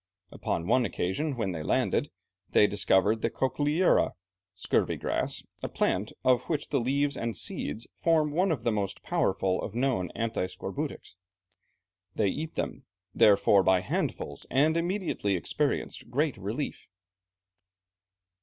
Upon one occasion when they landed, they discovered the cochlearia (scurvy grass), a plant of which the leaves and seeds form one of the most powerful of known anti scorbutics. They eat them, therefore, by handfuls, and immediately experienced great relief.